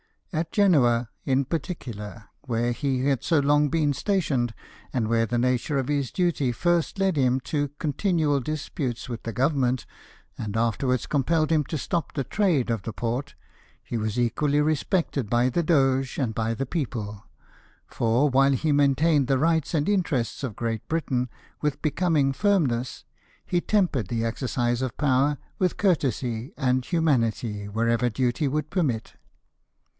At Genoa in particular, where he had so long been stationed, and where the nature of his duty first led him to continual disputes with the Government, and afterwards compelled him to stop the trade of the port, he was equally respected by the Doge and by the people ; for, while he maintained the rights and interests of Great Britain with becoming firmness, he tempered the exercise of power with courtesy and humanity wherever duty would permit.